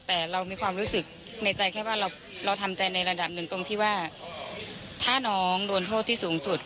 แต่เรามีความรู้สึกในใจแค่ว่าเราทำใจในระดับหนึ่งตรงที่ว่าถ้าน้องโดนโทษที่สูงสุด